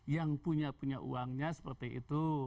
yang punya punya uangnya seperti itu